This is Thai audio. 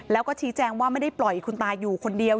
แล้วก็ชี้แจงว่าไม่ได้ปล่อยคุณตาอยู่คนเดียว